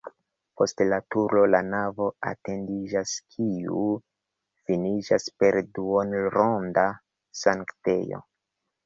Post la turo la navo etendiĝas, kiu finiĝas per duonronda sanktejo.